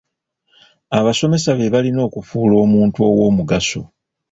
Abasomesa be balina okukufuula omuntu ow'omugaso.